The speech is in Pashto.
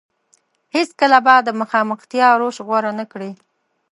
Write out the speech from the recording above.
هېڅ کله به د مخامختيا روش غوره نه کړي.